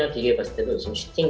indonesia paling menarik dari thailand